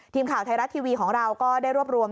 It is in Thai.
ทีมข่าวไทยรัฐทีวีของเราก็ได้รวบรวม